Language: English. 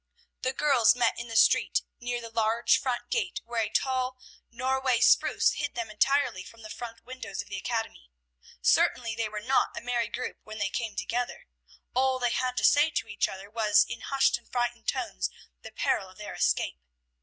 The girls met in the street, near the large front gate, where a tall Norway spruce hid them entirely from the front windows of the academy. Certainly they were not a merry group when they came together. All they had to say to each other was in hushed and frightened tones the peril of their escape.